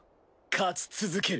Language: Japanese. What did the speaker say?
勝ち続ける。